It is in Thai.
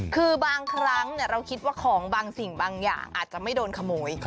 คือบางครั้งเราคิดว่าของบางสิ่งบางอย่างอาจจะไม่โดนขโมย